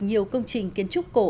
nhiều công trình kiến trúc cổ